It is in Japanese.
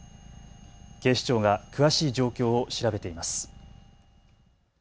警視庁が詳しい状況を調べています。